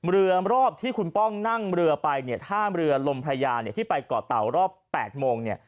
เรือรอบที่คุณป้องนั่งเรือไปถ้าเรือลมพญาที่ไปเกาะเตารอบ๘โมง